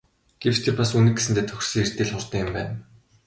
Гэвч тэр бас Үнэг гэсэндээ тохирсон хэрдээ л хурдан юм байна.